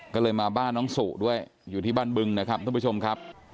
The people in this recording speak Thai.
ก็เลยมาบ้านน้องสุด้วยอยู่ที่บ้านบึงนะครับท่านผู้ชมครับ